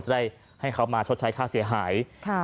ได้ให้เขามาชดใช้ค่าเสียหาย